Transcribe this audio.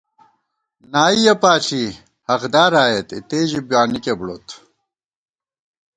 نائیَہ پاݪی حقدار آئېت اِتے ژِی بانِکےبُڑوت